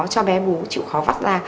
cho bé bú chịu khó vắt ra